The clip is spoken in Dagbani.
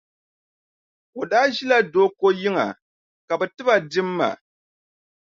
O daa ʒila Dooko yiŋa ka bɛ ti ba dimma.